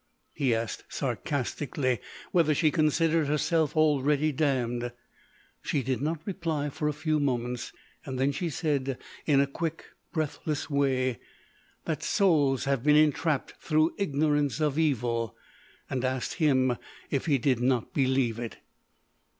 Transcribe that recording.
He asked, sarcastically, whether she considered herself already damned. She did not reply for a few moments, then she said, in a quick, breathless way, that souls have been entrapped through ignorance of evil. And asked him if he did not believe it.